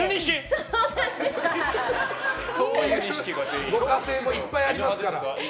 そういうご家庭もいっぱいありますから。